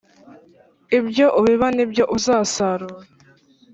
Ibyo ubiba nibyo uzasarura